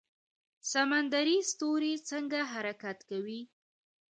سمندري ستوری څنګه حرکت کوي؟